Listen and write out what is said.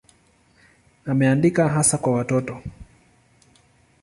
Ameandika hasa kwa watoto.